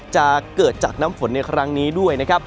จะเกิดจากน้ำฝนในครั้งนี้ด้วยนะครับ